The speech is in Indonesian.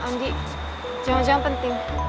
andi jam jam penting